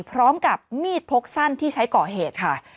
พร้อมกับมีดพกสั้นที่ใช้ก่อเหตุค่ะ